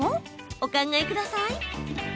お考えください。